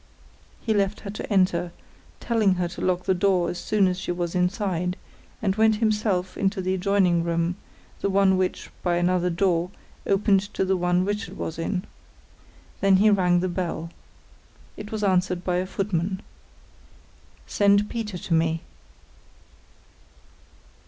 He left her to enter, telling her to lock the door as soon as she was inside, and went himself into the adjoining room, the one which, by another door, opened to the one Richard was in. Then he rang the bell. It was answered by a footman. "Send Peter to me."